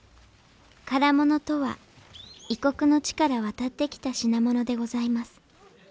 唐物とは異国の地から渡ってきた品物でございます